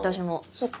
そっか。